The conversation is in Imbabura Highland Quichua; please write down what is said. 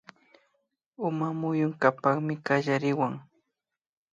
Uma muyunkapakmi kallariwan